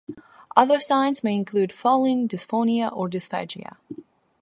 Other signs may include falling, dysphonia, or dysphagia.